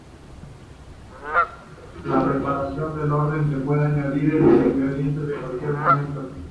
En la preparación del "oden", se puede añadir los ingredientes en cualquier momento.